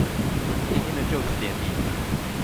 今天的就職典禮